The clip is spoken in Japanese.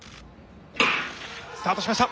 スタートしました。